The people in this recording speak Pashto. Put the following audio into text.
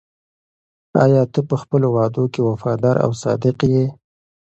آیا ته په خپلو وعدو کې وفادار او صادق یې؟